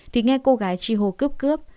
thì nghe cô gái truy hồ cướp cướp